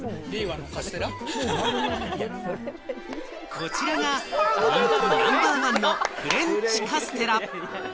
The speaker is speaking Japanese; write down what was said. こちらが人気ナンバーワンのフレンチカステラ。